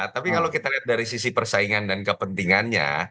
tapi kalau kita lihat dari sisi persaingan dan kepentingannya